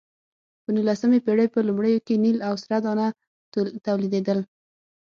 د نولسمې پېړۍ په لومړیو کې نیل او سره دانه تولیدېدل.